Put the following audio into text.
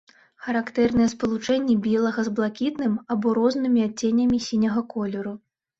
Характэрныя спалучэнні белага з блакітным або рознымі адценнямі сіняга колеру.